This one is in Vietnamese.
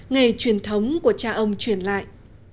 nghề truyền thống của cha ông truyền lại